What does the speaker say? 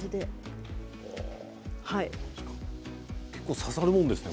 結構挿さるもんですね